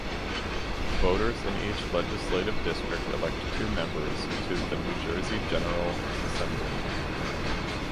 Voters in each legislative district elect two members to the New Jersey General Assembly.